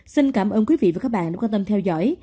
xin cảm ơn quý vị và các bạn đã quan tâm theo dõi